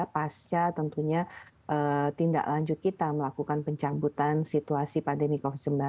pasca tentunya tindak lanjut kita melakukan pencabutan situasi pandemi covid sembilan belas